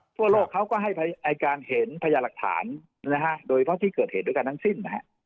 ทั่วโลกเขาก็ให้การเห็นพญาหลักฐานโดยเฉพาะที่เกิดเหตุด้วยกันทั้งสิ้นนะฮะ